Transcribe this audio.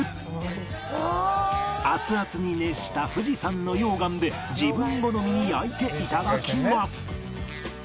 熱々に熱した富士山の溶岩で自分好みに焼いて頂きます